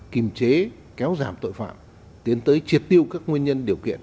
kìm chế kéo giảm tội phạm tiến tới triệt tiêu các nguyên nhân điều kiện